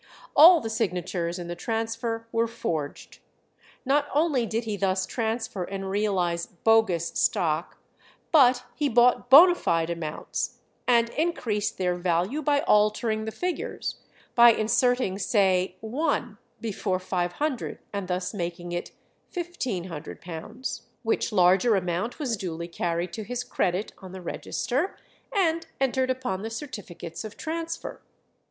All the signatures in the transfer were forged. Not only did he thus transfer and realize "bogus" stock, but he bought bonâ fide amounts, and increased their value by altering the figures, by inserting say 1 before 500, and thus making it £1500, which larger amount was duly carried to his credit on the register, and entered upon the certificates of transfer.